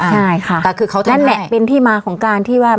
ใช่ค่ะนั่นแหละเป็นที่มาของการที่ว่า